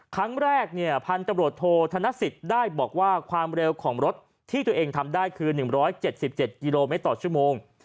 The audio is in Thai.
ครั้งแรกพันธุ์ตำรวจโทษธนสิทธิ์ได้บอกว่าความเร็วของรถที่ตัวเองทำได้คือ๑๗๗กิโลเมตรต่อชั่วโมง